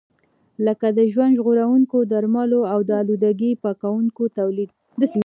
لکه د ژوند ژغورونکو درملو او د آلودګۍ پاکونکو تولید.